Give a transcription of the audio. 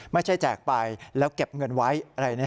ไม่ใช่แจกไปแล้วเก็บเงินไว้